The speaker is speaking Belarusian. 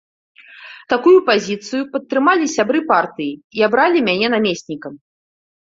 Такую пазіцыю падтрымалі сябры партыі і абралі мяне намеснікам.